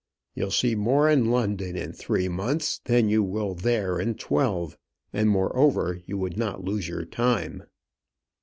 "You'll see more in London in three months than you will there in twelve; and, moreover, you would not lose your time."